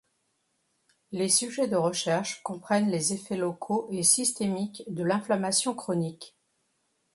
Les sujets de recherche comprennent les effets locaux et systémiques de l’inflammation chronique.